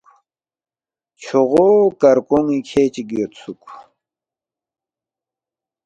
چھوغو کرکون٘ی کھے چِک یودسُوک